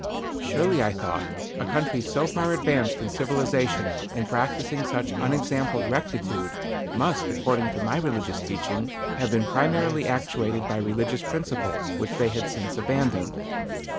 Surely, I thought, a country so far advanced in civilization, and practicing such unexampled rectitude, must, according to my religious teaching, have been primarily actuated by religious principles which they had since abandoned.